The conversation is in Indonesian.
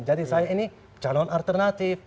jadi saya ini calon alternatif